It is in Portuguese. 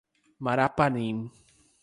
Marapanim